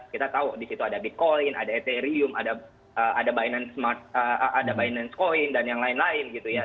kita tahu di situ ada bitcoin ada etherium ada binance coin dan yang lain lain gitu ya